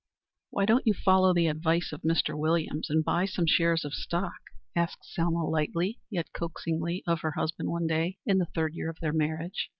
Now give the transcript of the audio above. "Why don't you follow the advice of Mr. Williams and buy some shares of stock?" asked Selma lightly, yet coaxingly, of her husband one day in the third year of their marriage.